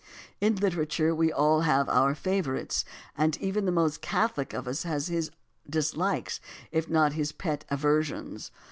In literature we all have our favorites, and even the most catholic of us has also his dislikes if not his pet aver sions.